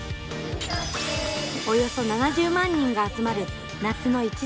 およそ７０万人が集まる夏の一大イベント。